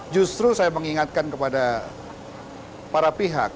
justru saya mengingatkan kepada para pihak